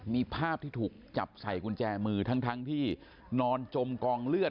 มีภาพที่ถูกจับใส่กุญแจมือทั้งที่นอนจมกองเลือด